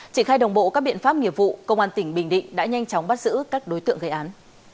triển khai đồng bộ các biện pháp nghiệp vụ công an tỉnh bình định đã nhanh chóng bắt giữ các đối tượng gây án